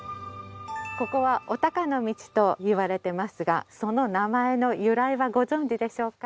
ここはお鷹の道といわれていますがその名前の由来はご存じでしょうか？